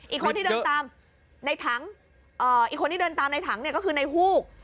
อีกคนที่เลื่อนเติมในถังอีกคนที่เลื่อนเติมในถังก็คือในหูก